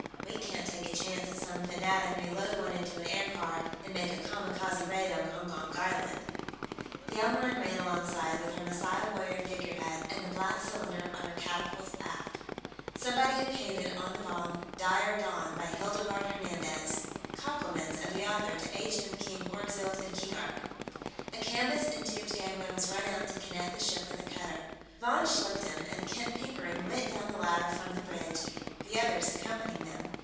We can't take a chance that some fanatic may load one into an aircar and make a kamikaze raid on Gongonk Island." The Elmoran ran alongside, with her Masai warrior figurehead and the black cylinder on her catapult aft. Somebody had painted, on the bomb: DIRE DAWN by Hildegarde Hernandez. Compliments of the author to H.M. King Orgzild of Keegark. A canvas entubed gangway was run out to connect the ship with the cutter. Von Schlichten and Kent Pickering went down the ladder from the bridge, the others accompanying them.